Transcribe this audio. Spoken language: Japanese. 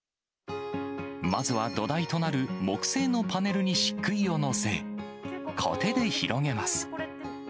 まずは土台となる木製のパネルにしっくいを載せ、こてで広げます。